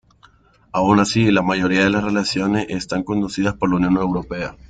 Aun así, la mayoría de las relaciones están conducidas por la Unión Europea.